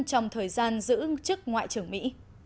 trong thời gian giữ chức ngoại trưởng mỹ